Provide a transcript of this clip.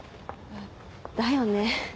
だよね。